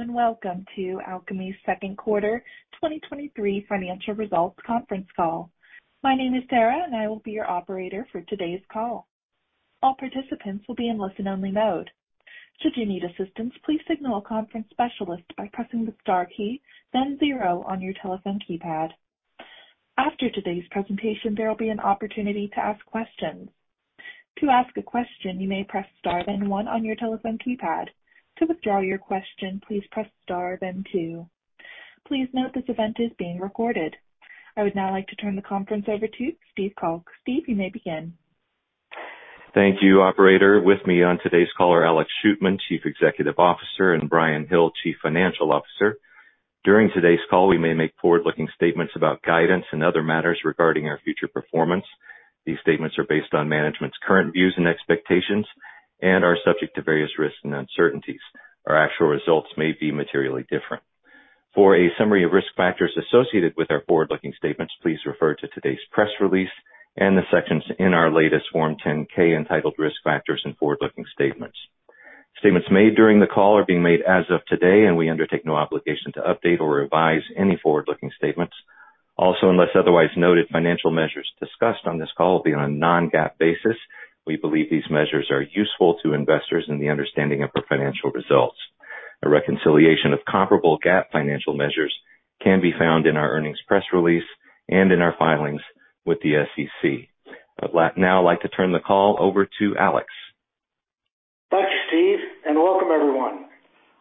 Hello, and welcome to Alkami's second quarter 2023 financial results conference call. My name is Sarah, and I will be your operator for today's call. All participants will be in listen-only mode. Should you need assistance, please signal a conference specialist by pressing the star key, then zero on your telephone keypad. After today's presentation, there will be an opportunity to ask questions. To ask a question, you may press star, then one on your telephone keypad. To withdraw your question, please press star, then two. Please note, this event is being recorded. I would now like to turn the conference over to Steve Calk. Steve, you may begin. Thank you, operator. With me on today's call are Alex Shootman, Chief Executive Officer, and Bryan Hill, Chief Financial Officer. During today's call, we may make forward-looking statements about guidance and other matters regarding our future performance. These statements are based on management's current views and expectations and are subject to various risks and uncertainties. Our actual results may be materially different. For a summary of risk factors associated with our forward-looking statements, please refer to today's press release and the sections in our latest Form 10-K, entitled Risk Factors and Forward-Looking Statements. Statements made during the call are being made as of today, and we undertake no obligation to update or revise any forward-looking statements. Also, unless otherwise noted, financial measures discussed on this call will be on a non-GAAP basis. We believe these measures are useful to investors in the understanding of our financial results. A reconciliation of comparable GAAP financial measures can be found in our earnings press release and in our filings with the SEC. Now like to turn the call over to Alex. Thanks, Steve, and welcome, everyone.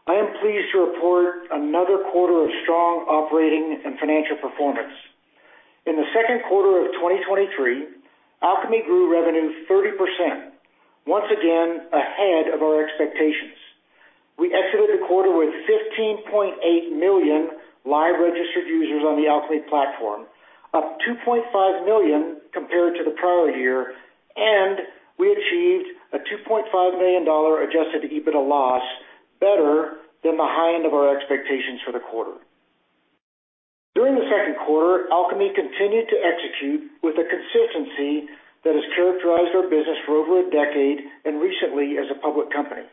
I am pleased to report another quarter of strong operating and financial performance. In the second quarter of 2023, Alkami grew revenue 30%, once again ahead of our expectations. We exited the quarter with 15.8 million live registered users on the Alkami platform, up 2.5 million compared to the prior year, and we achieved a $2.5 million adjusted EBITDA loss, better than the high end of our expectations for the quarter. During the second quarter, Alkami continued to execute with a consistency that has characterized our business for over a decade and recently as a public company.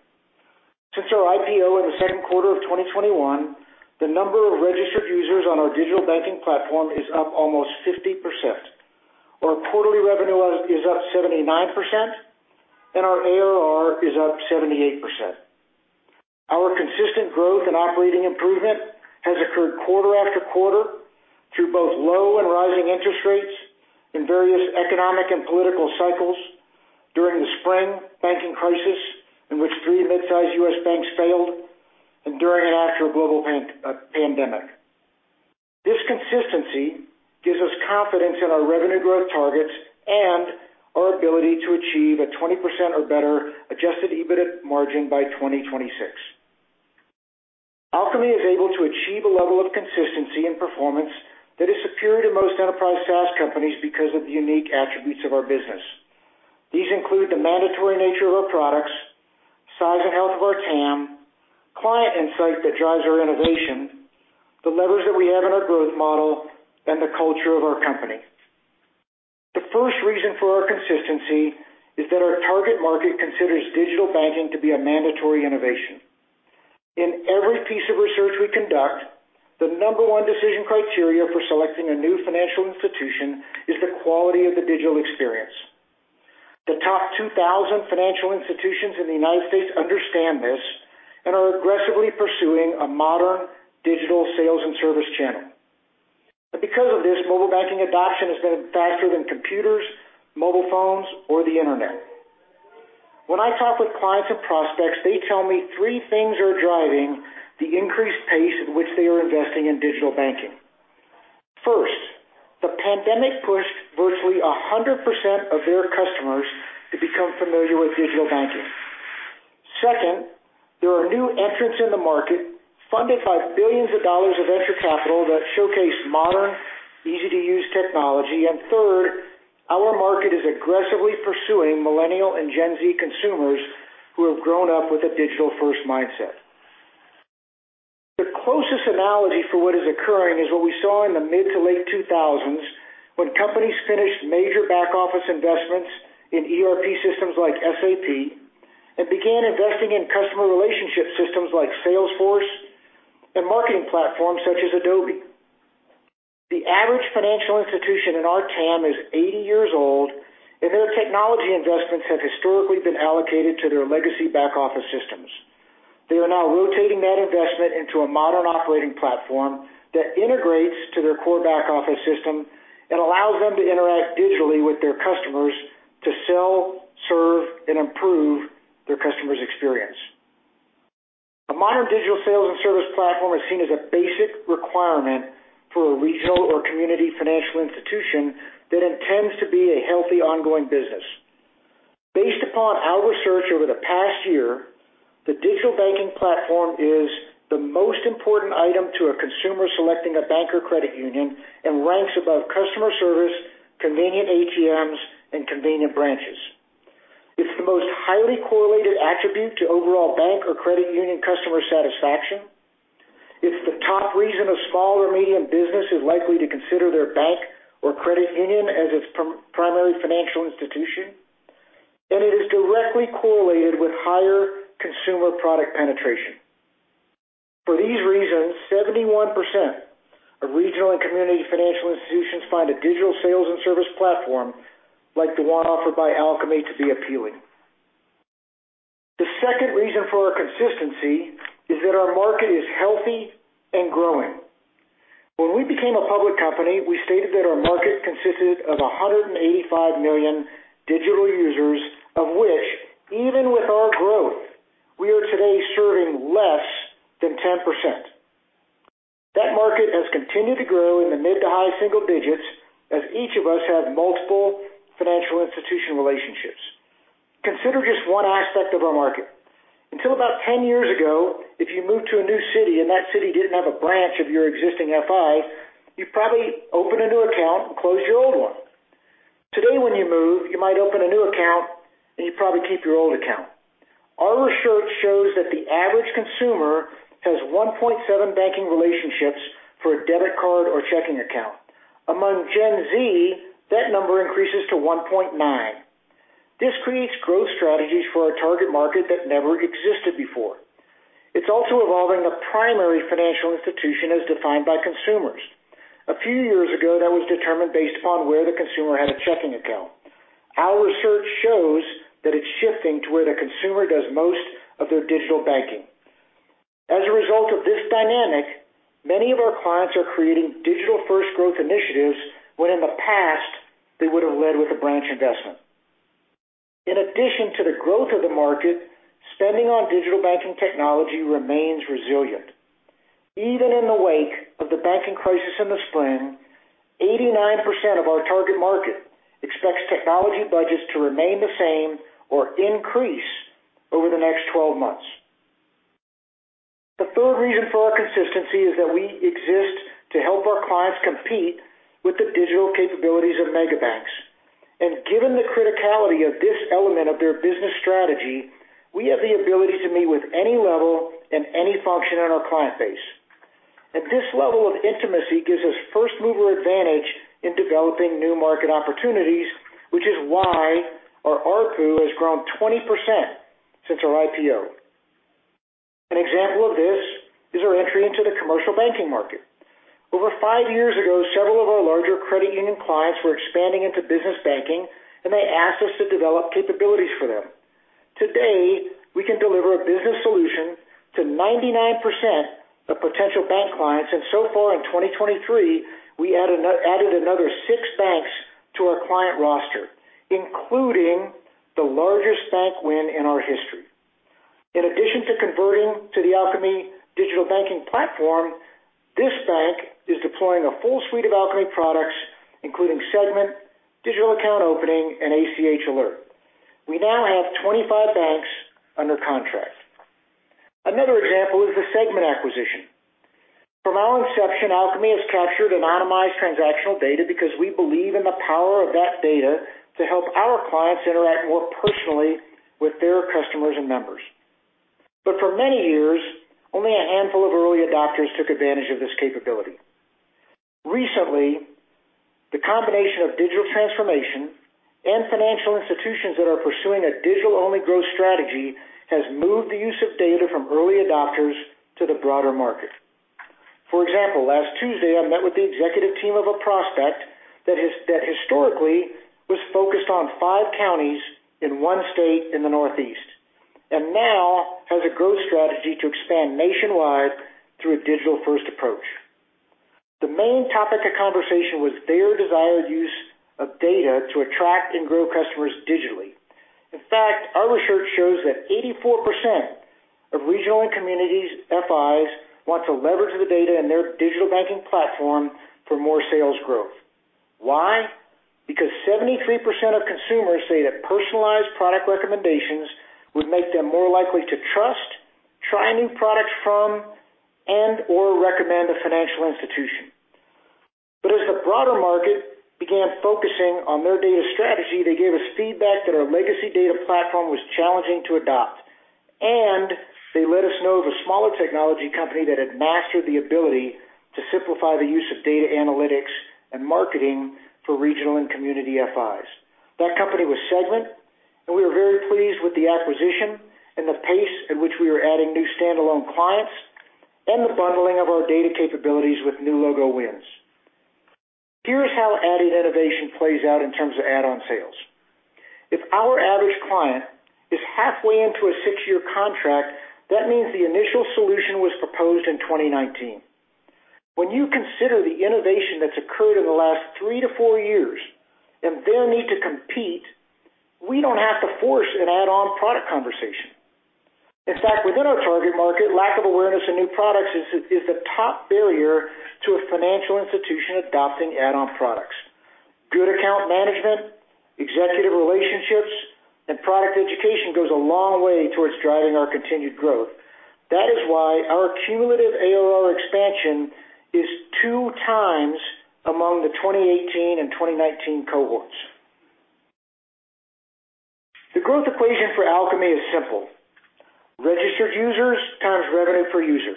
Since our IPO in the second quarter of 2021, the number of registered users on our digital banking platform is up almost 50%. Our quarterly revenue is up 79%, our ARR is up 78%. Our consistent growth and operating improvement has occurred quarter after quarter through both low and rising interest rates in various economic and political cycles during the spring banking crisis, in which three mid-sized U.S. banks failed and during and after a global pandemic. This consistency gives us confidence in our revenue growth targets and our ability to achieve a 20% or better adjusted EBITDA margin by 2026. Alkami is able to achieve a level of consistency and performance that is superior to most enterprise SaaS companies because of the unique attributes of our business. These include the mandatory nature of our products, size and health of our TAM, client insight that drives our innovation, the levers that we have in our growth model, and the culture of our company. The first reason for our consistency is that our target market considers digital banking to be a mandatory innovation. In every piece of research we conduct, the number one decision criteria for selecting a new financial institution is the quality of the digital experience. The top 2,000 financial institutions in the United States understand this and are aggressively pursuing a modern digital sales and service channel. Because of this, mobile banking adoption has been faster than computers, mobile phones, or the internet. When I talk with clients and prospects, they tell me three things are driving the increased pace at which they are investing in digital banking. First, the pandemic pushed virtually 100% of their customers to become familiar with digital banking. Second, there are new entrants in the market, funded by $ billions of venture capital that showcase modern, easy-to-use technology. Third, our market is aggressively pursuing Millennials and Gen Z consumers who have grown up with a digital-first mindset. The closest analogy for what is occurring is what we saw in the mid to late 2000s, when companies finished major back-office investments in ERP systems like SAP and began investing in customer relationship systems like Salesforce and marketing platforms such as Adobe. The average financial institution in our TAM is 80 years old, and their technology investments have historically been allocated to their legacy back-office systems. They are now rotating that investment into a modern operating platform that integrates to their core back-office system and allows them to interact digitally with their customers to sell, serve, and improve their customer's experience. A modern digital sales and service platform is seen as a basic requirement for a regional or community financial institution that intends to be a healthy, ongoing business. Based upon our research over the past year, the digital banking platform is the most important item to a consumer selecting a bank or credit union and ranks above customer service, convenient ATMs, and convenient branches. It's the most highly correlated attribute to overall bank or credit union customer satisfaction. It's the top reason a small or medium business is likely to consider their bank or credit union as its primary financial institution. It is directly correlated with higher consumer product penetration. For these reasons, 71% of regional and community financial institutions find a digital sales and service platform like the one offered by Alkami to be appealing. The second reason for our consistency is that our market is healthy and growing. When we became a public company, we stated that our market consisted of 185 million digital users, of which, even with our growth, we are today serving less than 10%. That market has continued to grow in the mid to high single digits, as each of us have multiple financial institution relationships. Consider just one aspect of our market. Until about 10 years ago, if you moved to a new city and that city didn't have a branch of your existing FI, you'd probably open a new account and close your old one. Today, when you move, you might open a new account, and you probably keep your old account. Our research shows that the average consumer has 1.7 banking relationships for a debit card or checking account. Among Gen Z, that number increases to 1.9. This creates growth strategies for our target market that never existed before. It's also evolving the primary financial institution as defined by consumers. A few years ago, that was determined based upon where the consumer had a checking account. Our research shows that it's shifting to where the consumer does most of their digital banking. As a result of this dynamic, many of our clients are creating digital-first growth initiatives, when in the past, they would have led with a branch investment. In addition to the growth of the market, spending on digital banking technology remains resilient. Even in the wake of the banking crisis in the spring, 89% of our target market expects technology budgets to remain the same or increase over the next 12 months. The third reason for our consistency is that we exist to help our clients compete with the digital capabilities of megabanks. Given the criticality of this element of their business strategy, we have the ability to meet with any level and any function on our client base. This level of intimacy gives us first-mover advantage in developing new market opportunities, which is why our ARPU has grown 20% since our IPO. An example of this is our entry into the commercial banking market. Over five years ago, several of our larger credit union clients were expanding into business banking, and they asked us to develop capabilities for them. Today, we can deliver a business solution to 99% of potential bank clients, and so far in 2023, we added another six banks to our client roster, including the largest bank win in our history. In addition to converting to the Alkami digital banking platform, this bank is deploying a full suite of Alkami products, including Segmint, digital account opening, and ACH Alert. We now have 25 banks under contract. Another example is the Segmint acquisition. From our inception, Alkami has captured anonymized transactional data because we believe in the power of that data to help our clients interact more personally with their customers and members. For many years, only a handful of early adopters took advantage of this capability. Recently, the combination of digital transformation and financial institutions that are pursuing a digital-only growth strategy has moved the use of data from early adopters to the broader market. For example, last Tuesday, I met with the executive team of a prospect that historically was focused on five counties in one state in the Northeast, and now has a growth strategy to expand nationwide through a digital-first approach. The main topic of conversation was their desired use of data to attract and grow customers digitally. In fact, our research shows that 84% of regional and communities FIs want to leverage the data in their digital banking platform for more sales growth. Why? Because 73% of consumers say that personalized product recommendations would make them more likely to trust, try a new product from, and/or recommend a financial institution. As the broader market began focusing on their data strategy, they gave us feedback that our legacy data platform was challenging to adopt, and they let us know of a smaller technology company that had mastered the ability to simplify the use of data analytics and marketing for regional and community FIs. That company was Segmint, and we were very pleased with the acquisition and the pace at which we were adding new standalone clients and the bundling of our data capabilities with new logo wins. Here is how added innovation plays out in terms of add-on sales. If our average client is halfway into a six-year contract, that means the initial solution was proposed in 2019. When you consider the innovation that's occurred in the last three to four years and their need to compete, we don't have to force an add-on product conversation. In fact, within our target market, lack of awareness of new products is, is a top barrier to a financial institution adopting add-on products. Good account management, executive relationships, and product education goes a long way towards driving our continued growth. That is why our cumulative ARR expansion is two times among the 2018 and 2019 cohorts. The growth equation for Alkami is simple: registered users times revenue per user.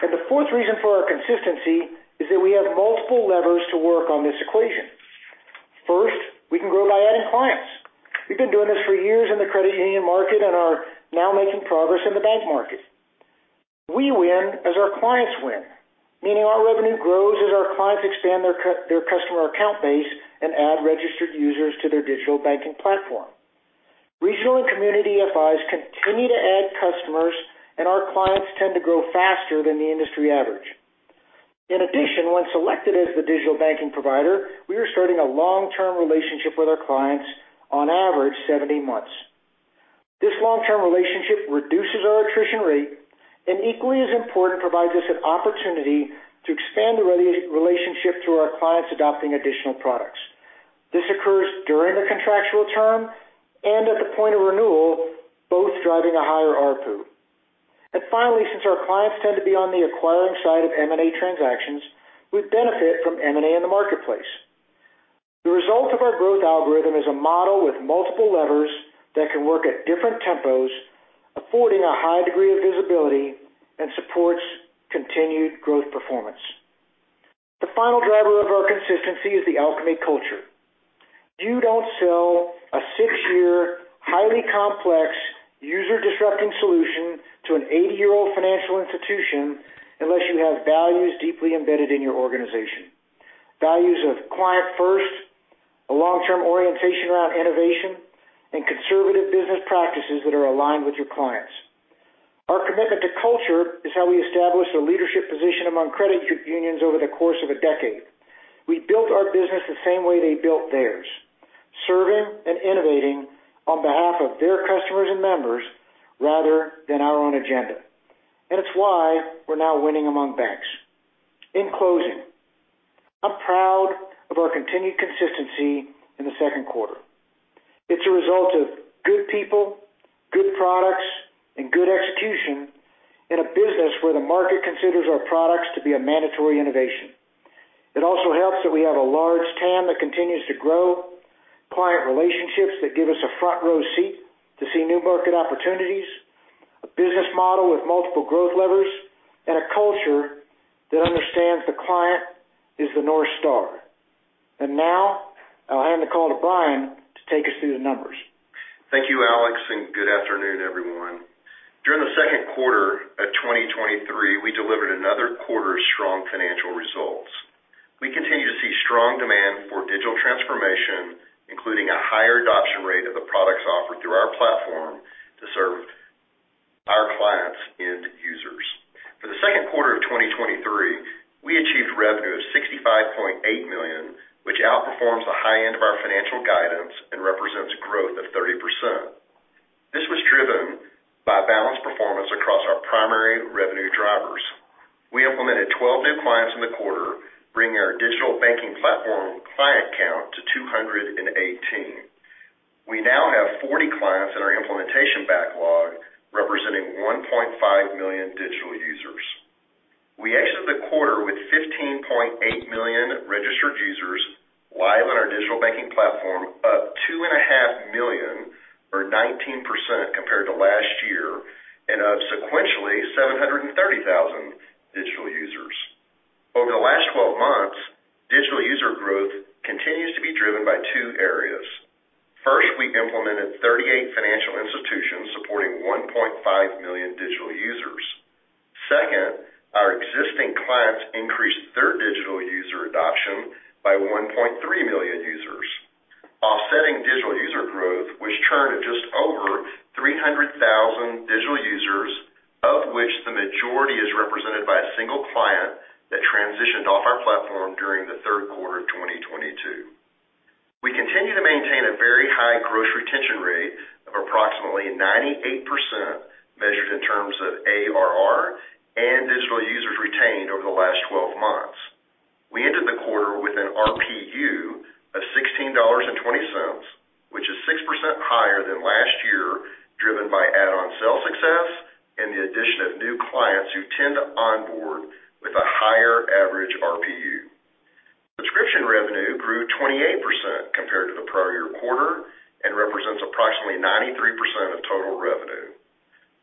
The fourth reason for our consistency is that we have multiple levers to work on this equation. First, we can grow by adding clients. We've been doing this for years in the credit union market and are now making progress in the bank market. We win as our clients win, meaning our revenue grows as our clients expand their customer account base and add registered users to their digital banking platform. Regional and community FIs continue to add customers, our clients tend to grow faster than the industry average. In addition, when selected as the digital banking provider, we are starting a long-term relationship with our clients, on average, 17 months. This long-term relationship reduces our attrition rate and equally as important, provides us an opportunity to expand the relationship through our clients adopting additional products. This occurs during the contractual term and at the point of renewal, both driving a higher ARPU. Finally, since our clients tend to be on the acquiring side of M&A transactions, we benefit from M&A in the marketplace. The result of our growth algorithm is a model with multiple levers that can work at different tempos, affording a high degree of visibility and supports continued growth performance. The final driver of our consistency is the Alkami culture. You don't sell a six-year, highly complex, user-disrupting solution to an 80-year-old financial institution unless you have values deeply embedded in your organization. Values of client first, a long-term orientation around innovation, and conservative business practices that are aligned with your clients. Our commitment to culture is how we establish a leadership position among credit unions over the course of a decade. We built our business the same way they built theirs, serving and innovating on behalf of their customers and members rather than our own agenda. It's why we're now winning among banks. In closing, I'm proud of our continued consistency in the second quarter. It's a result of good people, good products, and good execution in a business where the market considers our products to be a mandatory innovation. It also helps that we have a large TAM that continues to grow, client relationships that give us a front row seat to see new market opportunities, a business model with multiple growth levers, and a culture that understands the client is the North Star. Now, I'll hand the call to Brian to take us through the numbers. Thank you, Alex, and good afternoon, everyone. During the second quarter of 2023, we delivered another quarter of strong financial results. We continue to see strong demand for digital transformation, including a higher adoption rate of the products offered through our platform to serve our clients and users. For the second quarter of 2023, we achieved revenue of $65.8 million, which outperforms the high end of our financial guidance and represents growth of 30%. This was driven by balanced performance across our primary revenue drivers. We implemented 12 new clients in the quarter, bringing our digital banking platform client count to 218. We now have 40 clients in our implementation backlog, representing 1.5 million digital users. We ended the quarter with 15.8 million registered users live on our digital banking platform, up 2.5 million, or 19% compared to last year, and up sequentially, 730,000 digital users. Over the last 12 months, digital user growth continues to be driven by two areas. First, we implemented 38 financial institutions supporting 1.5 million digital users. Second, our existing clients increased their digital user adoption by 1.3 million users, offsetting digital user growth, which turned to just over 300,000 digital users, of which the majority is represented by a single client that transitioned off our platform during the third quarter of 2022. We continue to maintain a very high gross retention rate of approximately 98%, measured in terms of ARR and digital users retained over the last 12 months. We ended the quarter with an RPU of $16.20, which is 6% higher than last year, driven by add-on sale success and the addition of new clients who tend to onboard with a higher average RPU. Subscription revenue grew 28% compared to the prior year quarter and represents approximately 93% of total revenue.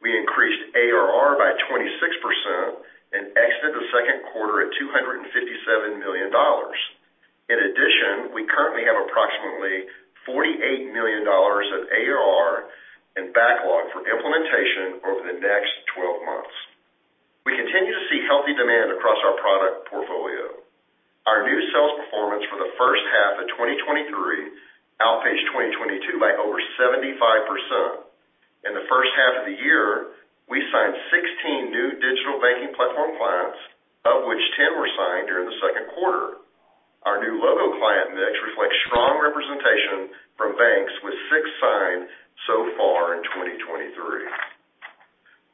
We increased ARR by 26% and exited the second quarter at $257 million. In addition, we currently have approximately $48 million of ARR in backlog for implementation over the next 12 months. We continue to see healthy demand across our product portfolio. Our new sales performance for the first half of 2023 outpaced 2022 by over 75%. In the first half of the year, we signed 16 new digital banking platform clients, of which 10 were signed during the second quarter. Our new logo client mix reflects strong representation from banks, with six signed so far in 2023.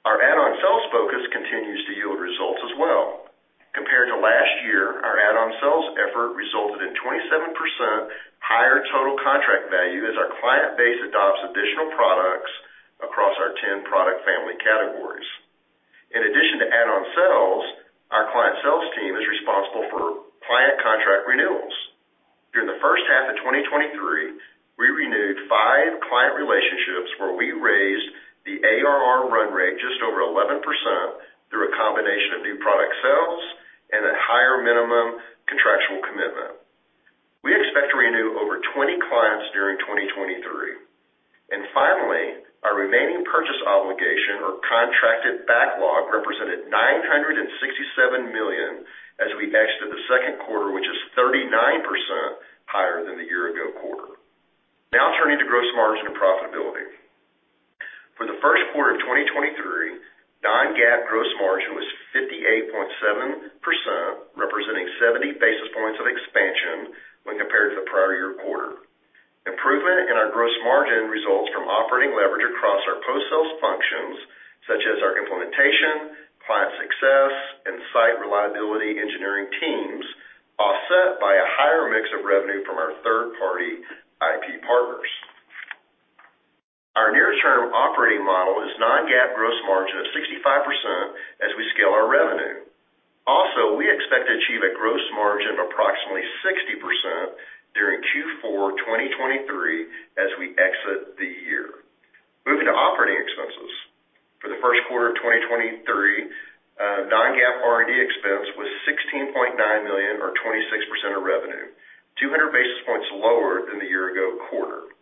Our add-on sales focus continues to yield results as well. Compared to last year, our add-on sales effort resulted in 27% higher total contract value as our client base adopts additional products across our 10 product family categories. In addition to add-on sales, the ARR run rate just over 11% through a combination of new product sales and a higher minimum contractual commitment. We expect to renew over 20 clients during 2023. Finally, our remaining purchase obligation or contracted backlog represented $967 million as we exited the second quarter, which is 39% higher than the year-ago quarter. Now turning to gross margin and profitability. For the first quarter of 2023, non-GAAP gross margin was 58.7%, representing 70 basis points of expansion when compared to the prior year quarter. Improvement in our gross margin results from operating leverage across our post-sales functions, such as our implementation, client success, and site reliability engineering teams, offset by a higher mix of revenue from our third-party IP partners. Our near-term operating model is non-GAAP gross margin of 65% as we scale our revenue. We expect to achieve a gross margin of approximately 60% during Q4 2023 as we exit the year. Moving to operating expenses. For the first quarter of 2023, non-GAAP R&D expense was $16.9 million, or 26% of revenue, 200 basis points lower than the year ago quarter.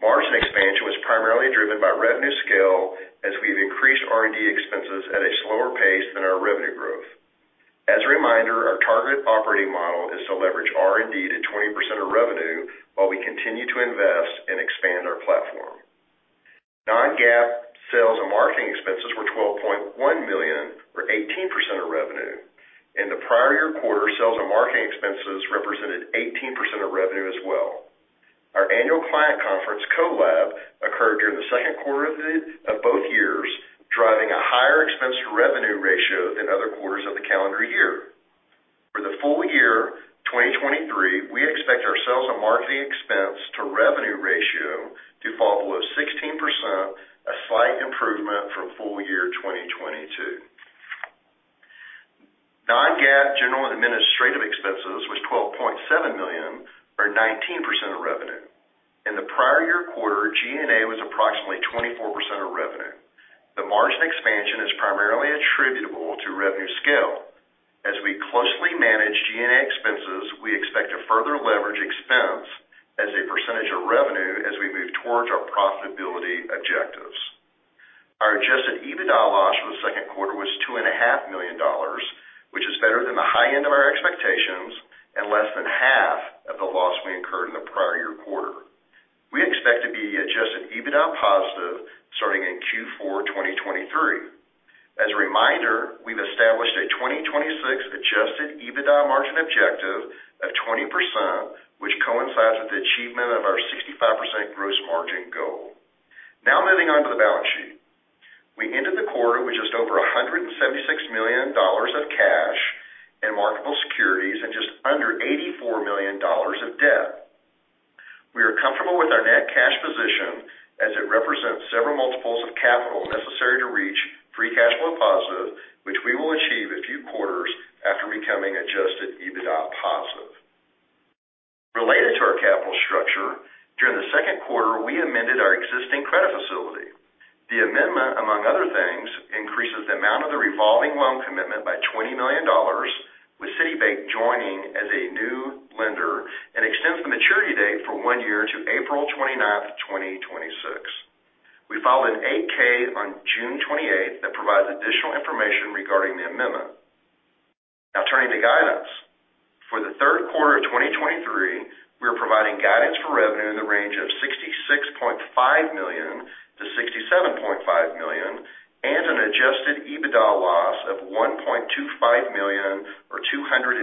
Margin expansion was primarily driven by revenue scale as we've increased R&D expenses at a slower pace than our revenue growth. As a reminder, our target operating model is to leverage R&D to 20% of revenue while we continue to invest and expand our platform. Non-GAAP sales and marketing expenses were $12.1 million, or 18% of revenue. In the prior year quarter, sales and marketing expenses represented 18% of revenue as well. Our annual client conference, Co:lab, occurred during the second quarter of both years, driving a higher expense to revenue ratio than other quarters of the calendar year. For the full year 2023, we expect our sales and marketing expense to revenue ratio to fall below 16%, a slight improvement from full year 2022. Non-GAAP general and administrative expenses was $12.7 million, or 19% of revenue. In the prior year quarter, G&A was approximately 24% of revenue. The margin expansion is primarily attributable to revenue scale. As we closely manage G&A expenses, we expect to further leverage expense as a percentage of revenue as we move towards our profitability objectives. Our adjusted EBITDA loss for the second quarter was $2.5 million, which is better than the high end of our expectations and less than half of the loss we incurred in the prior year quarter. We expect to be adjusted EBITDA positive starting in Q4 2023. As a reminder, we've established a 2026 adjusted EBITDA margin objective of 20%, which coincides with the achievement of our 65% gross margin goal. Moving on to the balance sheet. We ended the quarter with just over $176 million of cash and marketable securities and just under $84 million of debt. We are comfortable with our net cash position as it represents several multiples of capital necessary to reach free cash flow positive, which we will achieve a few quarters after becoming adjusted EBITDA positive. Related to our capital structure, during the second quarter, we amended our existing credit facility. The amendment, among other things, increases the amount of the revolving loan commitment by $20 million, with Citibank joining as a new lender, and extends the maturity date for one year to April 29th, 2026. We filed an 8-K on June 28th that provides additional information regarding the amendment. Turning to guidance. For the third quarter of 2023, we are providing guidance for revenue in the range of $66.5 million-$67.5 million, and an adjusted EBITDA loss of $1.25 million or $250,000.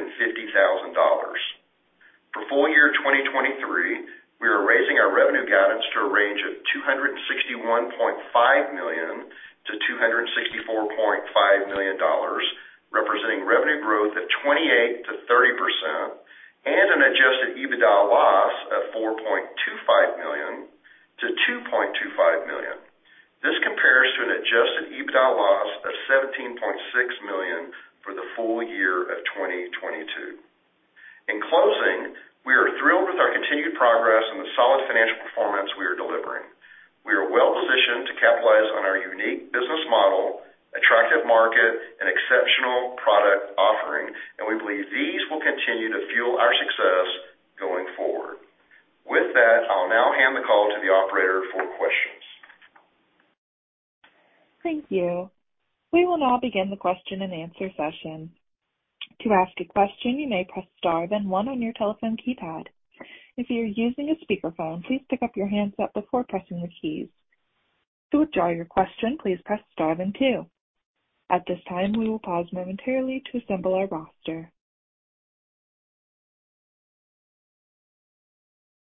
For full year 2023, we are raising our revenue guidance to a range of $261.5 million-$264.5 million, representing revenue growth of 28%-30% and an adjusted EBITDA loss of $4.25 million-$2.25 million. This compares to an adjusted EBITDA loss of $17.6 million for the full year of 2022. In closing, we are thrilled with our continued progress and the solid financial performance we are delivering. We are well positioned to capitalize on our unique business model, attractive market, and exceptional product offering, and we believe these will continue to fuel our success going forward. With that, I'll now hand the call to the operator for questions. Thank you. We will now begin the question-and-answer session. To ask a question, you may press star then one on your telephone keypad. If you are using a speakerphone, please pick up your handset before pressing the keys. To withdraw your question, please press star then two. At this time, we will pause momentarily to assemble our roster.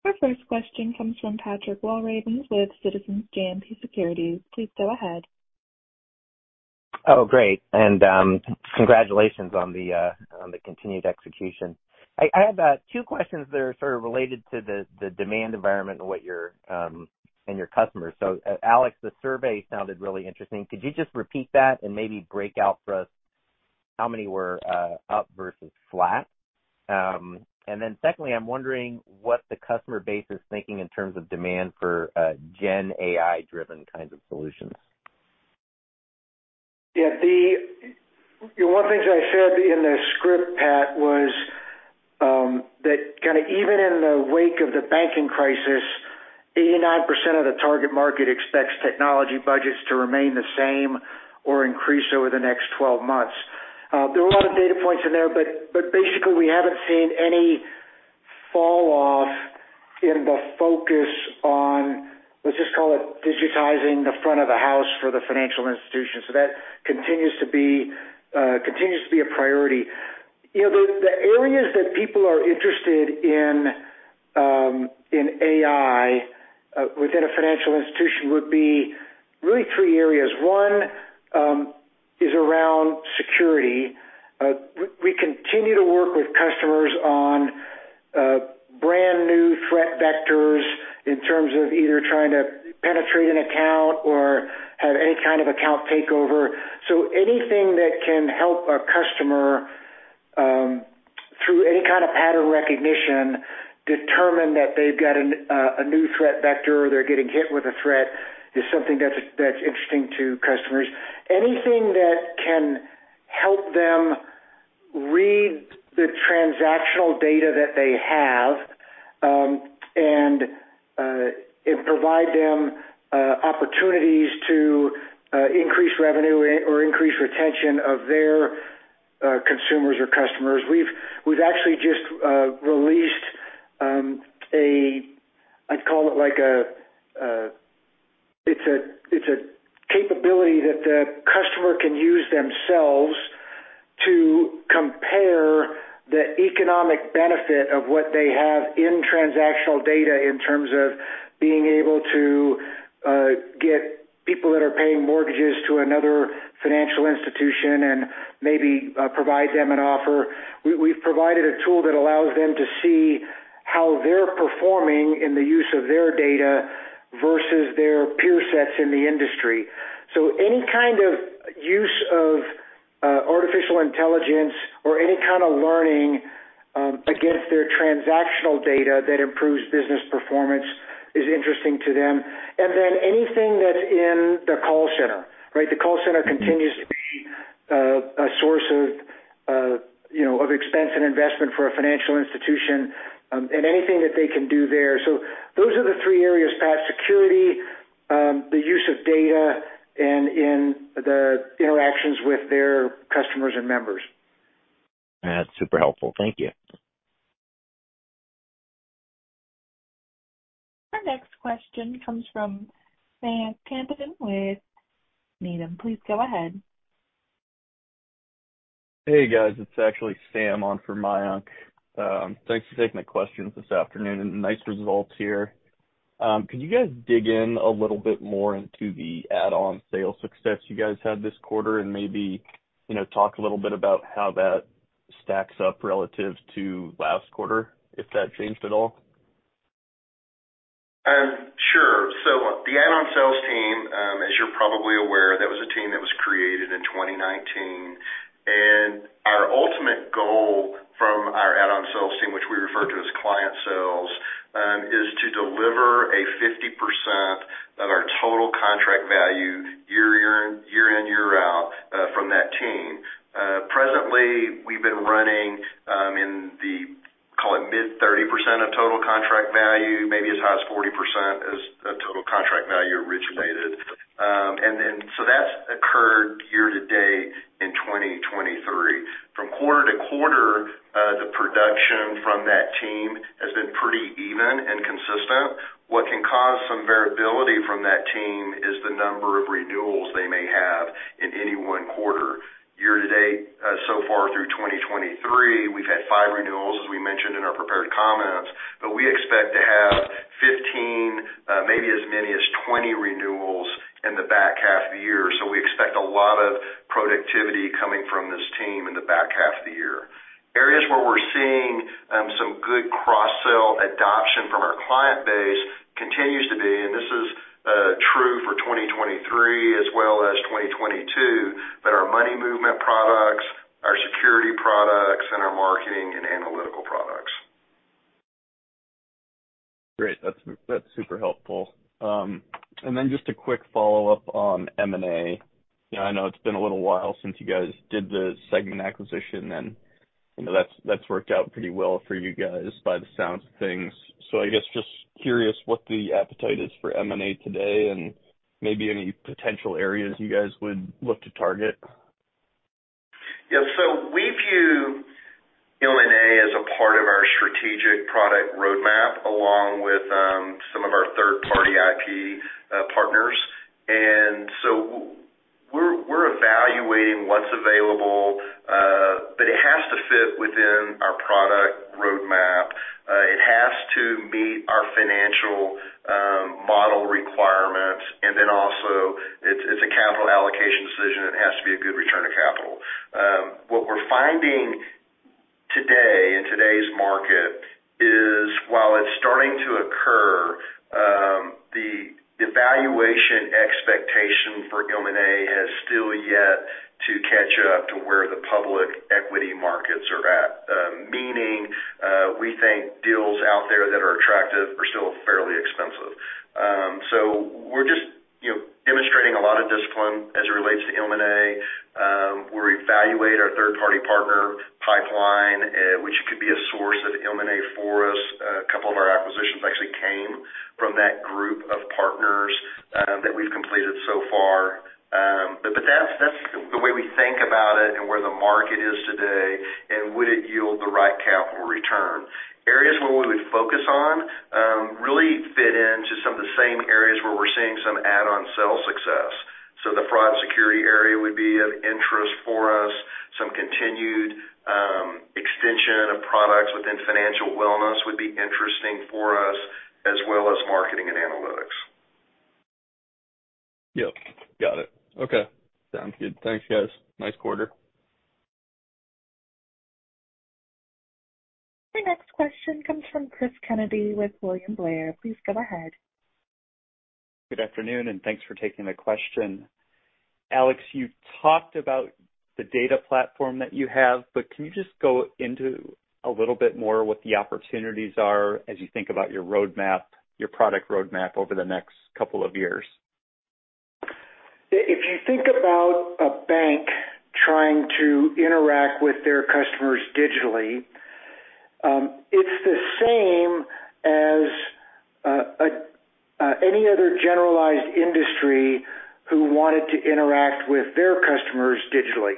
Our first question comes from Patrick Walraven with Citizens JMP Securities. Please go ahead. Oh, great, and congratulations on the continued execution. I, I have two questions that are sort of related to the demand environment and what you're and your customers. Alex, the survey sounded really interesting. Could you just repeat that and maybe break out for us? How many were up versus flat? And then secondly, I'm wondering what the customer base is thinking in terms of demand for Gen AI-driven kinds of solutions. Yeah, one of the things I said in the script, Pat, was that kind of even in the wake of the banking crisis, 89% of the target market expects technology budgets to remain the same or increase over the next 12 months. There were a lot of data points in there, but basically, we haven't seen any falloff in the focus on, let's just call it, digitizing the front of the house for the financial institution. That continues to be, continues to be a priority. You know, the, the areas that people are interested in, in AI, within a financial institution would be really three areas. One, is around security. We, we continue to work with customers on brand new threat vectors in terms of either trying to penetrate an account or have any kind of account takeover. Anything that can help a customer through any kind of pattern recognition, determine that they've got a new threat vector or they're getting hit with a threat, is something that's, that's interesting to customers. Anything that can help them read the transactional data that they have, and provide them opportunities to increase revenue or increase retention of their consumers or customers. We've actually just released I'd call it like a, it's a, it's a capability that the customer can use themselves to compare the economic benefit of what they have in transactional data, in terms of being able to get people that are paying mortgages to another financial institution and maybe provide them an offer. We, we've provided a tool that allows them to see how they're performing in the use of their data versus their peer sets in the industry. Any kind of use of artificial intelligence or any kind of learning against their transactional data that improves business performance is interesting to them. Then anything that's in the call center, right? The call center continues to be a source of, you know, of expense and investment for a financial institution, and anything that they can do there. Those are the three areas, Pat: security, the use of data and in the interactions with their customers and members. That's super helpful. Thank you. Our next question comes from Sam Tampadan with Needham. Please go ahead. Hey, guys, it's actually Sam on for Mayank. Thanks for taking my questions this afternoon, and nice results here. Could you guys dig in a little bit more into the add-on sales success you guys had this quarter and maybe, you know, talk a little bit about how that stacks up relative to last quarter, if that changed at all? Sure. The add-on sales team, as you're probably aware, that was a team that was created in 2019. Our ultimate goal from our add-on sales team, which we refer to as client sales, is to deliver a 50% of our total contract value year in, year in, year out from that team. Presently, we've been running in the, call it, mid 30% of total contract value, maybe as high as 40% as a total contract value originated. That's occurred year to date in 2023. From quarter to quarter, the production from that team has been pretty even and consistent. What can cause some variability from that team is the number of renewals they may have in any one quarter. Year to date, so far through 2023, we've had five renewals, as we mentioned in our prepared comments, but we expect to have 15, maybe as many as 20 renewals in the back half of the year. We expect a lot of productivity coming from this team in the back half of the year. Areas where we're seeing some good cross-sell adoption from our client base continues to be, and this is true for 2023 as well as 2022, but our money movement products, our security products, and our marketing and analytical products. Great. That's, that's super helpful. Then just a quick follow-up on M&A. I know it's been a little while since you guys did the Segmint acquisition, and, you know, that's, that's worked out pretty well for you guys by the sounds of things. I guess, just curious what the appetite is for M&A today and maybe any potential areas you guys would look to target. We view M&A as a part of our strategic product roadmap, along with some of our third-party IP partners. We're evaluating what's available, but it has to fit within our product roadmap. It has to meet our financial model requirements, and then also it's a capital allocation decision, it has to be a good return on capital. What we're finding... expectation for M&A has still yet to catch up to where the public equity markets are at. Meaning, we think deals out there that are attractive are still fairly expensive. We're just, you know, demonstrating a lot of discipline as it relates to M&A. We'll evaluate our third-party partner pipeline, which could be a source of M&A for us. A couple of our acquisitions actually came from that group of partners, that we've completed so far. That's, that's the way we think about it and where the market is today, and would it yield the right capital return? Areas where we would focus on, really fit into some of the same areas where we're seeing some add-on sales success. The fraud security area would be of interest for us. Some continued, extension of products within financial wellness would be interesting for us, as well as marketing and analytics. Yep, got it. Okay. Sounds good. Thanks, guys. Nice quarter. Your next question comes from Chris Kennedy with William Blair. Please go ahead. Good afternoon. Thanks for taking the question. Alex, you talked about the data platform that you have. Can you just go into a little bit more what the opportunities are as you think about your roadmap, your product roadmap over the next couple of years? If you think about a bank trying to interact with their customers digitally, it's the same as any other generalized industry who wanted to interact with their customers digitally.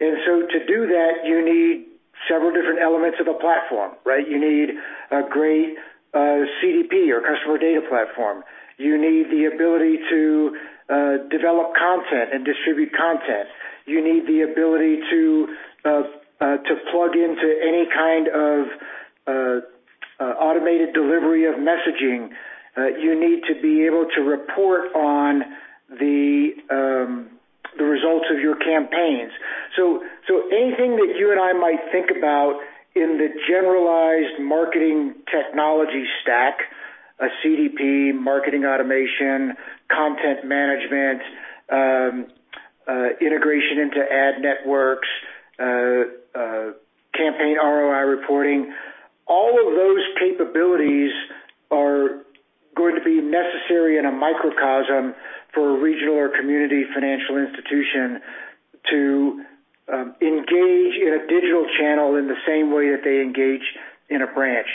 So to do that, you need several different elements of a platform, right? You need a great CDP or customer data platform. You need the ability to develop content and distribute content. You need the ability to plug into any kind of automated delivery of messaging. You need to be able to report on the results of your campaigns. So anything that you and I might think about in the generalized marketing technology stack, a CDP, marketing automation, content management, integration into ad networks, campaign ROI reporting. All of those capabilities are going to be necessary in a microcosm for a regional or community financial institution to engage in a digital channel in the same way that they engage in a branch.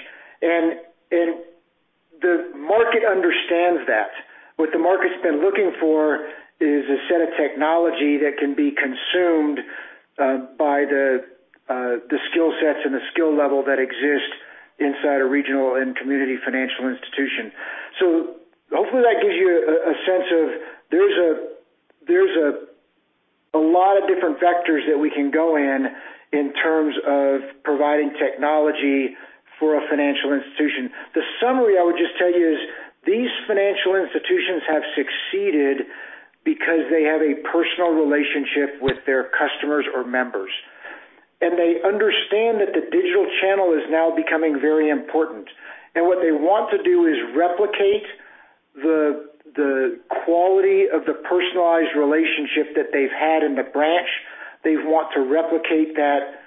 The market understands that. What the market's been looking for is a set of technology that can be consumed by the skill sets and the skill level that exist inside a regional and community financial institution. Hopefully that gives you a sense of there's a lot of different vectors that we can go in, in terms of providing technology for a financial institution. The summary I would just tell you is, these financial institutions have succeeded because they have a personal relationship with their customers or members, and they understand that the digital channel is now becoming very important. What they want to do is replicate the, the quality of the personalized relationship that they've had in the branch. They want to replicate that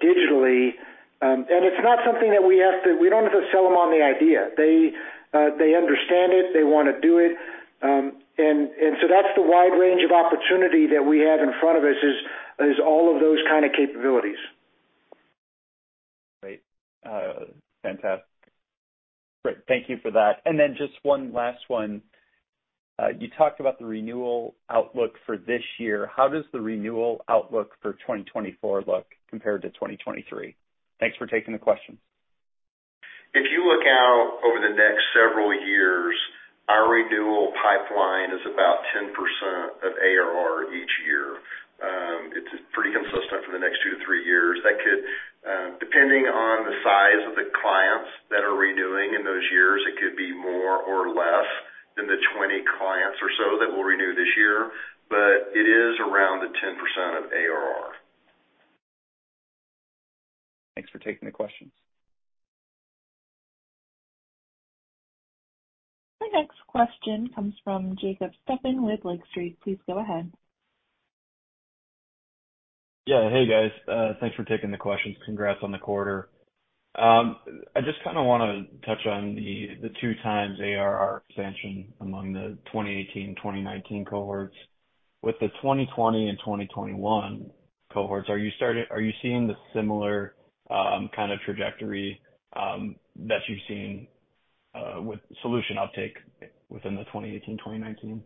digitally. It's not something that we don't have to sell them on the idea. They understand it, they want to do it. So that's the wide range of opportunity that we have in front of us, is, is all of those kind of capabilities. Great. fantastic. Great, thank you for that. Then just one last one. you talked about the renewal outlook for this year. How does the renewal outlook for 2024 look compared to 2023? Thanks for taking the question. If you look out over the next several years, our renewal pipeline is about 10% of ARR each year. It's pretty consistent for the next two to three years. That could, depending on the size of the clients that are renewing in those years, it could be more or less than the 20 clients or so that will renew this year, but it is around the 10% of ARR. Thanks for taking the questions. My next question comes from Jacob Stephan with Lake Street. Please go ahead. Yeah. Hey, guys, thanks for taking the questions. Congrats on the quarter. I just kind of want to touch on the, the two times ARR expansion among the 2018, 2019 cohorts. With the 2020 and 2021 cohorts, are you seeing the similar, kind of trajectory, that you've seen, with solution uptake within the 2018, 2019?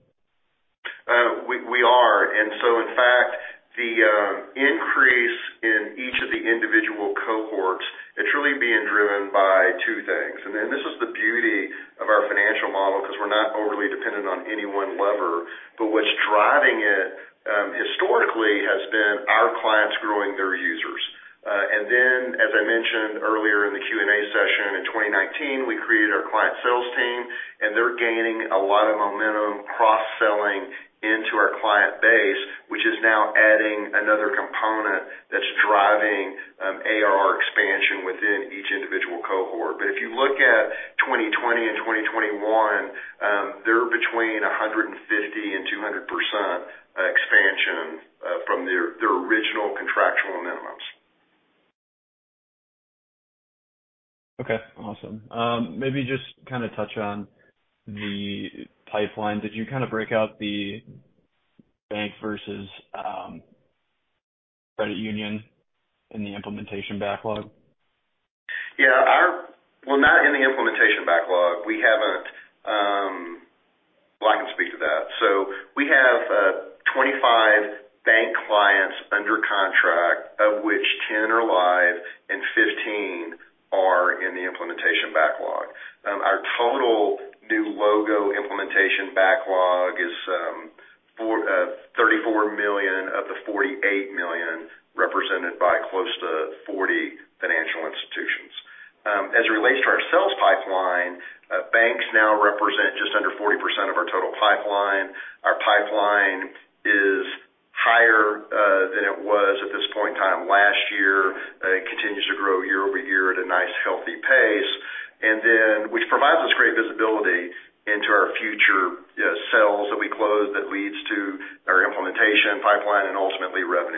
We, we are. In fact, the increase in each of the individual cohorts, it's really being driven by two things. This is the beauty of our financial model, because we're not overly dependent on any one lever. What's driving it, historically, has been our clients growing their users. As I mentioned earlier in the Q&A session, in 2019, we created our client sales team, and they're gaining a lot of momentum cross-selling-... into our client base, which is now adding another component that's driving, ARR expansion within each individual cohort. If you look at 2020 and 2021, they're between 150%-200% expansion, from their, their original contractual minimums. Okay, awesome. Maybe just kind of touch on the pipeline. Did you kind of break out the bank versus credit union in the implementation backlog? Yeah, our-- Well, not in the implementation backlog. We haven't... Well, I can speak to that. We have 25 bank clients under contract, of which 10 are live and 15 are in the implementation backlog. Our total new logo implementation backlog is $34 million of the $48 million, represented by close to 40 financial institutions. As it relates to our sales pipeline, banks now represent just under 40% of our total pipeline. Our pipeline is higher than it was at this point in time last year, continues to grow year-over-year at a nice, healthy pace, which provides us great visibility into our future sales that we close, that leads to our implementation pipeline and ultimately, revenue.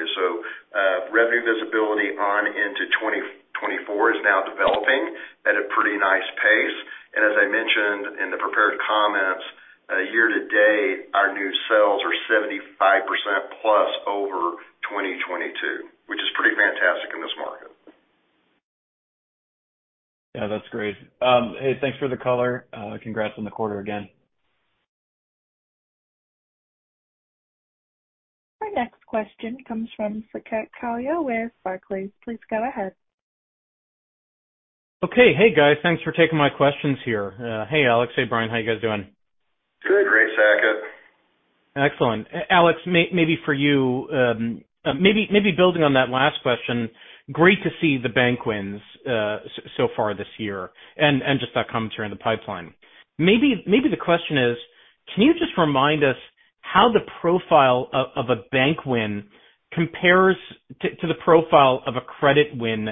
Revenue visibility on into 2024 is now developing at a pretty nice pace. As I mentioned in the prepared comments, year to date, our new sales are 75%+ over 2022, which is pretty fantastic in this market. Yeah, that's great. Hey, thanks for the color. Congrats on the quarter again. Our next question comes from Saket Kalia with Barclays. Please go ahead. Okay. Hey, guys, thanks for taking my questions here. Hey, Alex. Hey, Brian. How you guys doing? Good. Great, Saket. Excellent. Alex, maybe for you, maybe building on that last question, great to see the bank wins so far this year, and just that commentary in the pipeline. Maybe the question is: can you just remind us how the profile of a bank win compares to the profile of a credit win,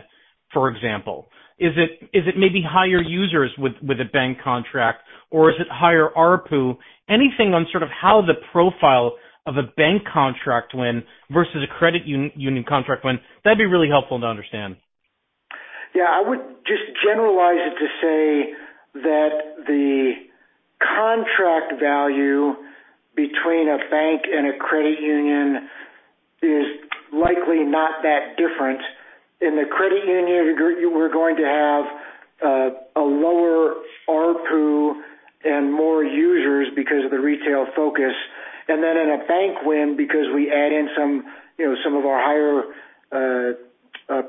for example? Is it maybe higher users with a bank contract, or is it higher ARPU? Anything on sort of how the profile of a bank contract win versus a credit union contract win, that'd be really helpful to understand. Yeah, I would just generalize it to say that the contract value between a bank and a credit union is likely not that different. In the credit union, we're going to have a lower ARPU and more users because of the retail focus. Then in a bank win, because we add in some, you know, some of our higher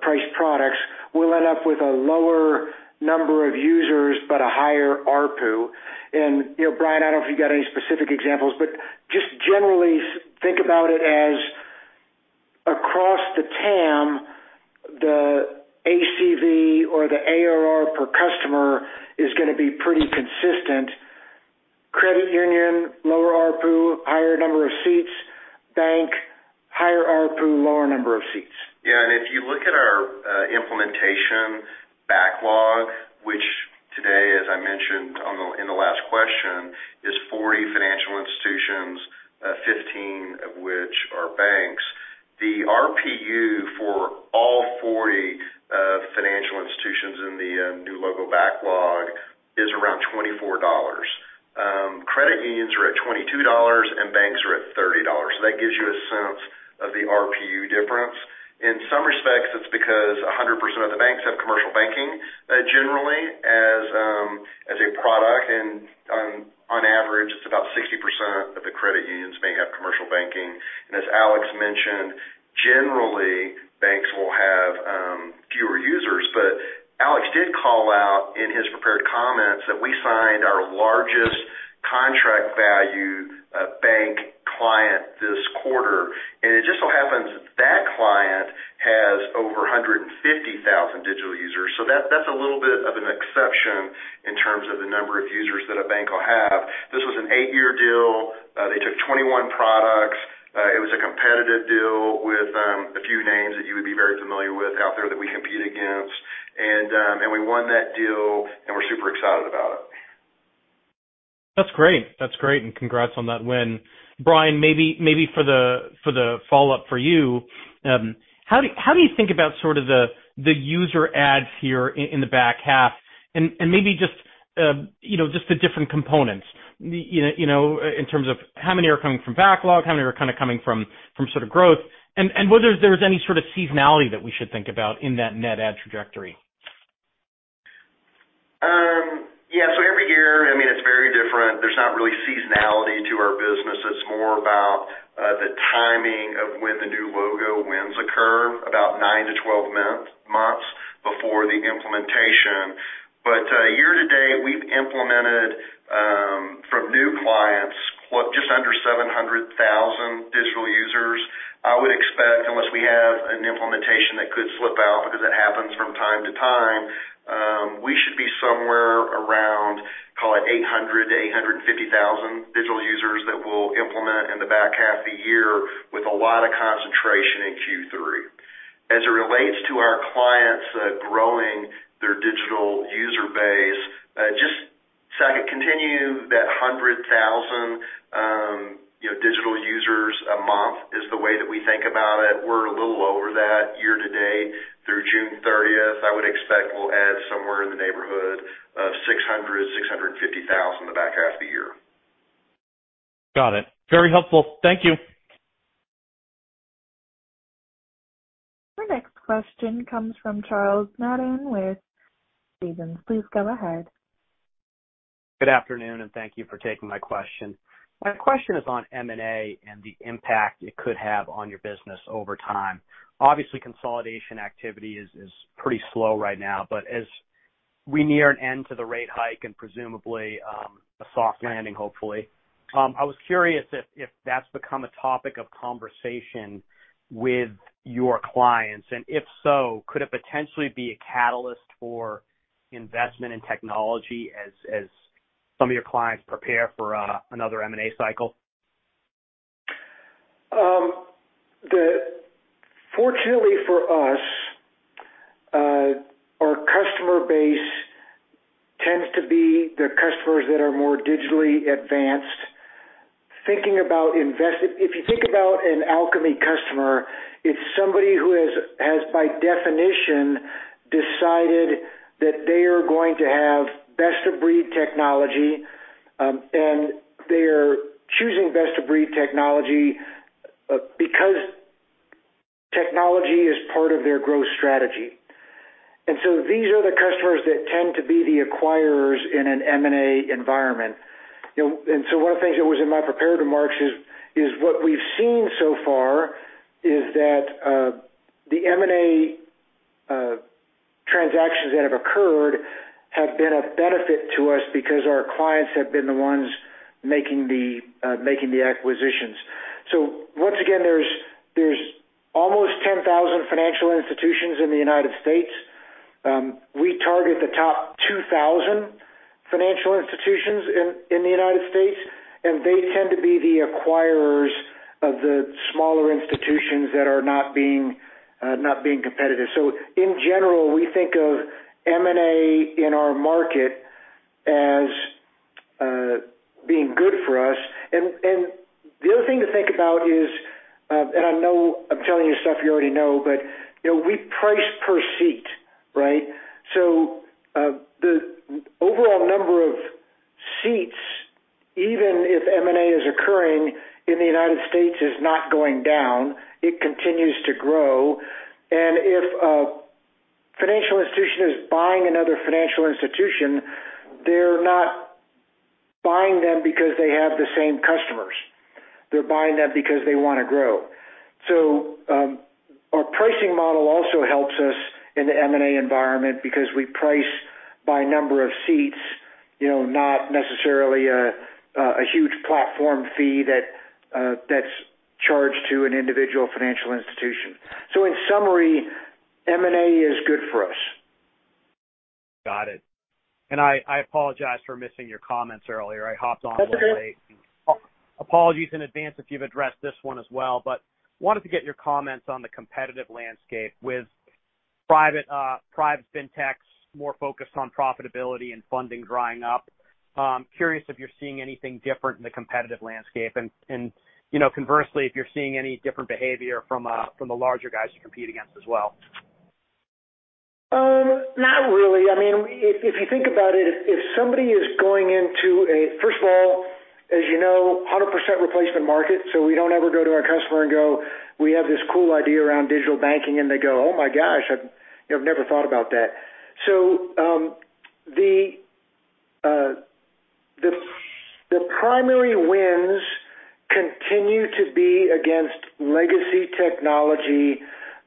priced products, we'll end up with a lower number of users, but a higher ARPU. You know, Bryan, I don't know if you've got any specific examples, but just generally think about it as across the TAM, the ACV or the ARR per customer is gonna be pretty consistent. Credit union, lower ARPU, higher number of seats. Bank, higher ARPU, lower number of seats. Yeah, if you look at our implementation backlog, which today, as I mentioned on the- in the last question, is 40 financial institutions, 15 of which are banks. The RPU for all 40 financial institutions in the new logo backlog is around $24. Credit unions are at $22, and banks are at $30. That gives you a sense of the RPU difference. In some respects, it's because 100% of the banks have commercial banking, generally as a product, and on, on average, it's about 60% of the credit unions may have commercial banking. As Alex mentioned, generally, banks will have fewer users. Alex did call out in his prepared comments that we signed our largest contract value bank client this quarter. It just so happens that client has over 150,000 digital users. That's a little bit of an exception in terms of the number of users that a bank will have. This was an 8-year deal. They took 21 products. It was a competitive deal with a few names that you would be very familiar with out there that we compete against. We won that deal, and we're super excited about it. That's great. That's great, and congrats on that win. Brian, maybe, maybe for the, for the follow-up for you, how do, how do you think about sort of the, the user adds here in the back half? And, and maybe just, you know, just the different components, you know, in terms of how many are coming from backlog, how many are kind of coming from, from sort of growth? And, and whether there is any sort of seasonality that we should think about in that net add trajectory. Yeah, so every year, I mean, it's very different. There's not really seasonality to our business. It's more about the timing of when the new logo wins occur, about nine to 12 months before the implementation. Year to date, we've implemented from new clients, just under 700,000 digital users. I would expect, unless we have an implementation that could slip out... we should be somewhere around, call it 800,000-850,000 digital users that we'll implement in the back half of the year, with a lot of concentration in Q3. As it relates to our clients, growing their digital user base, just so I could continue that 100,000, you know, digital users a month is the way that we think about it. We're a little lower that year to date through June 30th. I would expect we'll add somewhere in the neighborhood of 600, 650,000 in the back half of the year. Got it. Very helpful. Thank you. Our next question comes from Charles Nabhan with Stephens. Please go ahead. Good afternoon, and thank you for taking my question. My question is on M&A and the impact it could have on your business over time. Obviously, consolidation activity is, is pretty slow right now, but as we near an end to the rate hike and presumably, a soft landing, hopefully, I was curious if, if that's become a topic of conversation with your clients, and if so, could it potentially be a catalyst for investment in technology as, as some of your clients prepare for, another M&A cycle? Fortunately for us, our customer base tends to be the customers that are more digitally advanced. If you think about an Alkami customer, it's somebody who has, has by definition, decided that they are going to have best-of-breed technology, and they're choosing best-of-breed technology because technology is part of their growth strategy. These are the customers that tend to be the acquirers in an M&A environment. You know, one of the things that was in my prepared remarks is, is what we've seen so far is that the M&A transactions that have occurred have been of benefit to us because our clients have been the ones making the making the acquisitions. Once again, there's, there's almost 10,000 financial institutions in the United States. We target the top 2,000 financial institutions in, in the United States, and they tend to be the acquirers of the smaller institutions that are not being, not being competitive. In general, we think of M&A in our market as being good for us. The other thing to think about is, and I know I'm telling you stuff you already know, but, you know, we price per seat, right? The overall number of seats, even if M&A is occurring in the United States, is not going down. It continues to grow. If a financial institution is buying another financial institution, they're not buying them because they have the same customers. They're buying them because they want to grow. Our pricing model also helps us in the M&A environment because we price by number of seats, you know, not necessarily a huge platform fee that's charged to an individual financial institution. In summary, M&A is good for us. Got it. I apologize for missing your comments earlier. I hopped on a little late. That's okay. Apologies in advance if you've addressed this one as well. Wanted to get your comments on the competitive landscape with private, private fintechs, more focused on profitability and funding drying up. Curious if you're seeing anything different in the competitive landscape, and, you know, conversely, if you're seeing any different behavior from, from the larger guys you compete against as well. Not really. I mean, if, if you think about it, if somebody is going into a... First of all, as you know, 100% replacement market. We don't ever go to our customer and go, "We have this cool idea around digital banking," and they go, "Oh, my gosh, I've, you know, never thought about that." The, the primary wins continue to be against legacy technology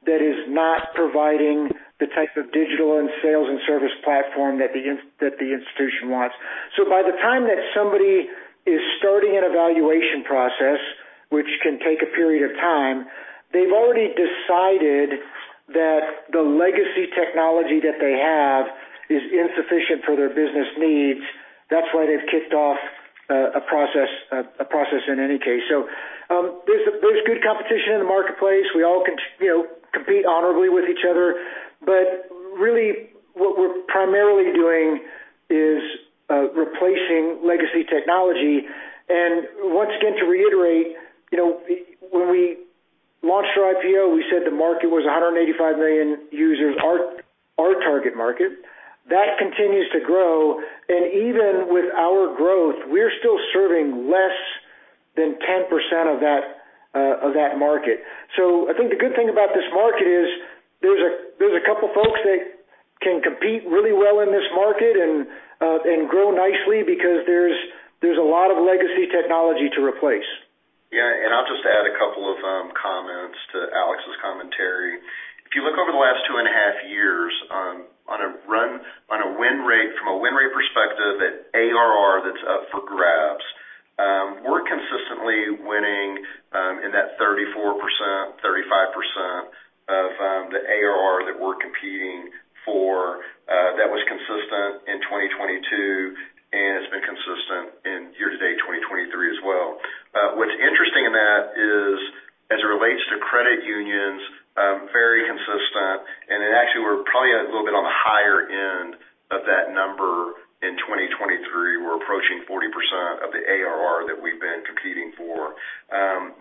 that is not providing the type of digital sales and service platform that the institution wants. By the time that somebody is starting an evaluation process, which can take a period of time, they've already decided that the legacy technology that they have is insufficient for their business needs. That's why they've kicked off a process, a process in any case. There's, there's good competition in the marketplace. We all con- you know, compete honorably with each other, but really what we're primarily doing is replacing legacy technology. Once again, to reiterate, you know, when we launched our IPO, we said the market was 185 million users, our, our target market. That continues to grow, and even with our growth, we're still serving less than 10% of that of that market. I think the good thing about this market is there's a, there's a couple folks that can compete really well in this market and grow nicely because there's, there's a lot of legacy technology to replace. Yeah, I'll just add a couple of comments to Alex's commentary. If you look over the last 2.5 years, from a win rate perspective, at ARR consistently winning in that 34%-35% of the ARR that we're competing for, that was consistent in 2022, and it's been consistent in year-to-date 2023 as well. What's interesting in that is, as it relates to credit unions, very consistent, and then actually we're probably a little bit on the higher end of that number in 2023. We're approaching 40% of the ARR that we've been competing for.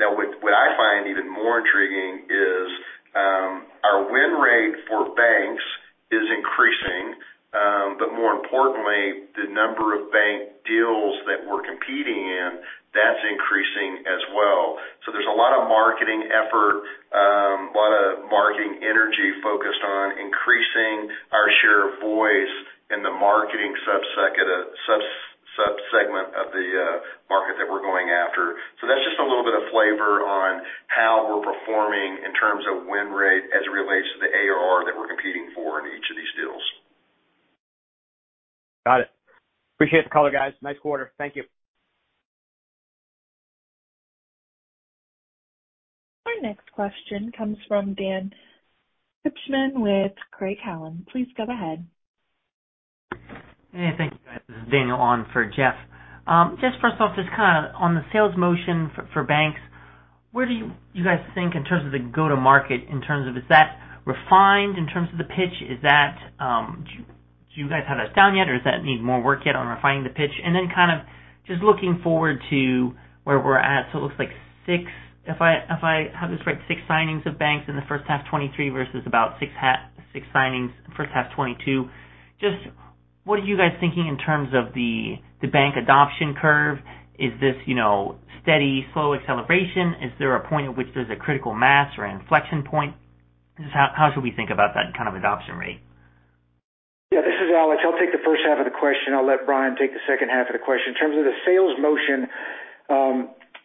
Now, what I find even more intriguing is, our win rate for banks is increasing. More importantly, the number of bank deals that we're competing in, that's increasing as well. There's a lot of marketing effort, a lot of marketing energy focused on increasing our share of voice in the marketing sub-segment of the market that we're going after. That's just a little bit of flavor on how we're performing in terms of win rate as it relates to the ARR that we're competing for in each of these deals. Got it. Appreciate the color, guys. Nice quarter. Thank you. Our next question comes from Dan Pipitone with Craig-Hallum. Please go ahead. Hey, thank you, guys. This is Daniel on for Jeff. Just first off, just kind of on the sales motion for, for banks, where do you, you guys think in terms of the go-to-market, in terms of is that refined in terms of the pitch? Is that, do, do you guys have that down yet, or does that need more work yet on refining the pitch? Then kind of just looking forward to where we're at. It looks like six If I, if I have this right, six signings of banks in the first half 2023 versus about six signings first half 2022. Just what are you guys thinking in terms of the, the bank adoption curve? Is this, you know, steady, slow acceleration? Is there a point at which there's a critical mass or inflection point? Just how, how should we think about that kind of adoption rate? Yeah, this is Alex. I'll take the first half of the question. I'll let Brian take the second half of the question. In terms of the sales motion,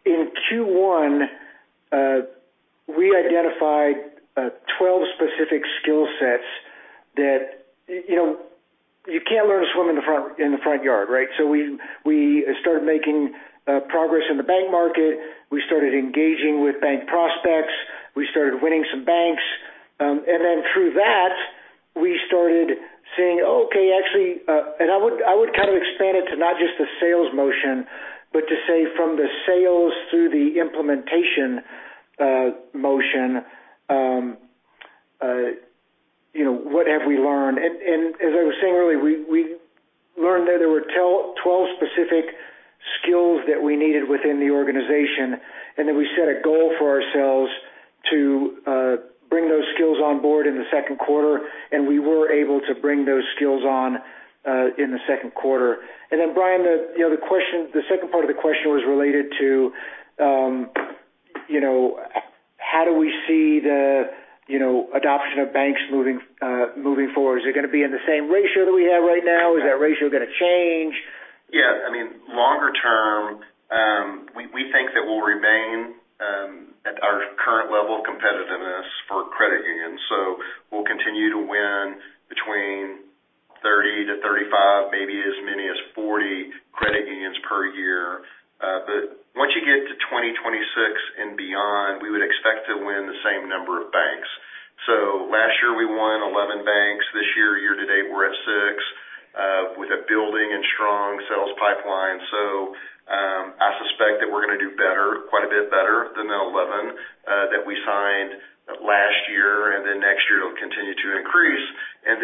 in Q1, we identified 12 specific skill sets that, you know, you can't learn to swim in the front, in the front yard, right? We, we started making progress in the bank market. We started engaging with bank prospects. We started winning some banks. Through that, we started seeing, okay, actually, I would, I would kind of expand it to not just the sales motion, but to say from the sales through the implementation motion, you know, what have we learned? As I was saying earlier, we learned that there were 12 specific skills that we needed within the organization. We set a goal for ourselves to bring those skills on board in the second quarter, and we were able to bring those skills on in the second quarter. Brian, you know, the question, the second part of the question was related to how do we see the adoption of banks moving forward? Is it gonna be in the same ratio that we have right now? Is that ratio gonna change? Yeah, I mean, longer term, we, we think that we'll remain at our current level of competitiveness for credit unions. We'll continue to win between 30-35, maybe as many as 40 credit unions per year. Once you get to 2026 and beyond, we would expect to win the same number of banks. Last year, we won 11 banks. This year, year to date, we're at six, with a building and strong sales pipeline. I suspect that we're gonna do better, quite a bit better than the 11, that we signed last year. Then next year, it'll continue to increase. As,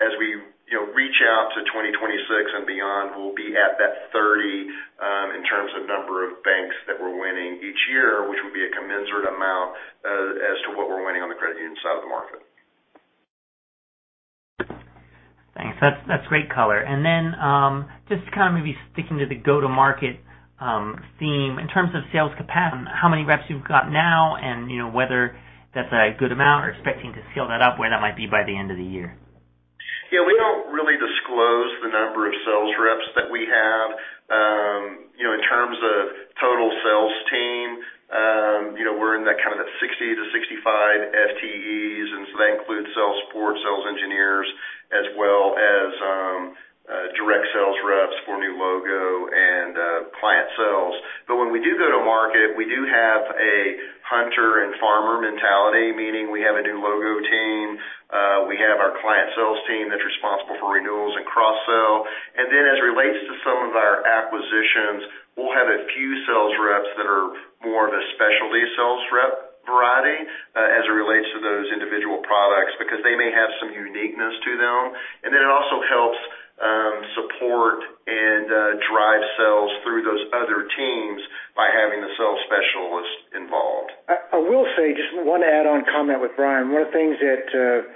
as we, you know, reach out to 2026 and beyond, we'll be at that 30 in terms of number of banks that we're winning each year, which will be a commensurate amount as to what we're winning on the credit union side of the market. Thanks. That's, that's great color. Then, just kind of maybe sticking to the go-to-market theme. In terms of sales capacity, how many reps you've got now, and, you know, whether that's a good amount or expecting to scale that up, where that might be by the end of the year? Yeah, we don't really disclose the number of sales reps that we have. You know, in terms of total sales team, you know, we're in that kind of the 60 to 65 FTEs, and so that includes sales support, sales engineers, as well as direct sales reps for new logo and client sales. When we do go to market, we do have a hunter and farmer mentality, meaning we have a new logo team, we have our client sales team that's responsible for renewals and cross-sell. Then, as it relates to some of our acquisitions, we'll have a few sales reps that are more of a specialty sales rep variety, as it relates to those individual products, because they may have some uniqueness to them. Then it also helps support and drive sales through those other teams by having the sales specialist involved. I, I will say just one add-on comment with Bryan Hill. One of the things that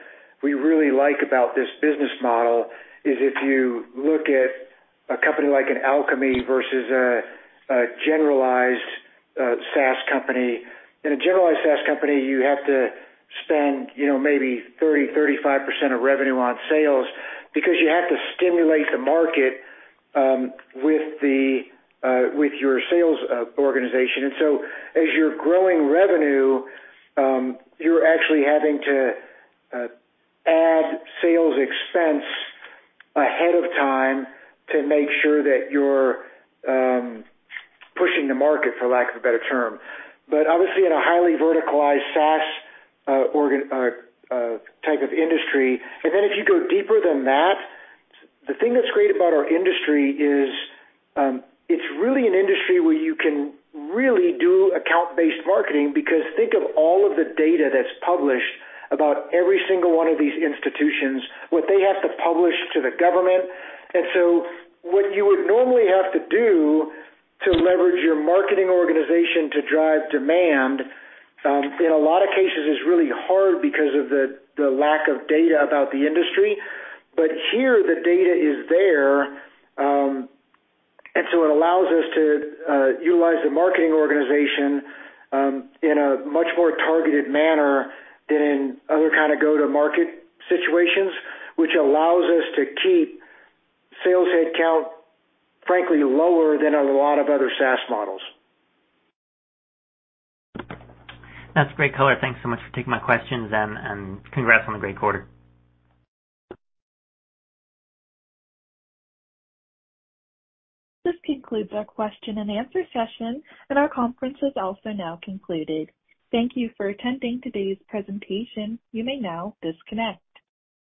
we really like about this business model is if you look at a company like Alkami versus a generalized SaaS company. In a generalized SaaS company, you have to spend, you know, maybe 30-35% of revenue on sales because you have to stimulate the market with the with your sales organization. As you're growing revenue, you're actually having to add sales expense ahead of time to make sure that you're pushing the market, for lack of a better term. Obviously in a highly verticalized SaaS type of industry... If you go deeper than that, the thing that's great about our industry is, it's really an industry where you can really do account-based marketing, because think of all of the data that's published about every single one of these institutions, what they have to publish to the government. What you would normally have to do to leverage your marketing organization to drive demand, in a lot of cases, is really hard because of the lack of data about the industry. Here, the data is there, and so it allows us to utilize the marketing organization in a much more targeted manner than in other kind of go-to-market situations, which allows us to keep sales headcount, frankly, lower than a lot of other SaaS models. That's great color. Thanks so much for taking my questions, and, and congrats on the great quarter. This concludes our question and answer session, and our conference is also now concluded. Thank you for attending today's presentation. You may now disconnect.